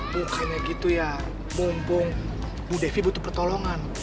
bukannya gitu ya mumpung bu devi butuh pertolongan